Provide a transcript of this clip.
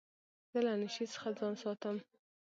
زه له نشې څخه ځان ساتم.